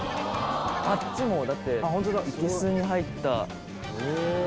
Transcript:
あっちもいけすに入った。